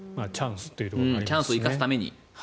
チャンスを生かすために。